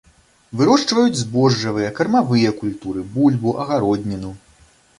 Вырошчваюць збожжавыя, кармавыя культуры, бульбу, агародніну.